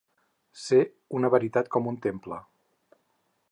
Ser una veritat com un temple.